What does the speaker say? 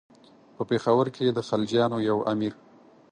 په پېښور کې د خلجیانو یو امیر.